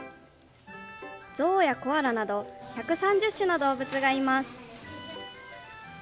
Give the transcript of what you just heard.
象やコアラなど１３０種の動物がいます。